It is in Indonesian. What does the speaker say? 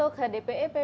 berlangsung berapa lama